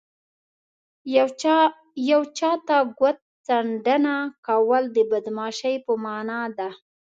یو چاته ګوت څنډنه کول د بدماشۍ په مانا ده